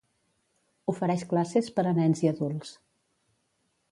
Ofereix classes per a nens i adults.